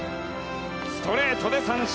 ストレートで三振。